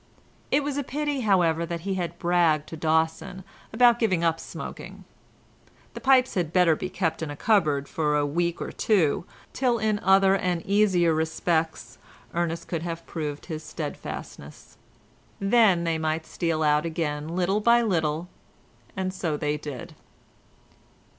It was a pity, however, that he had bragged to Dawson about giving up smoking. The pipes had better be kept in a cupboard for a week or two, till in other and easier respects Ernest should have proved his steadfastness. Then they might steal out again little by little—and so they did.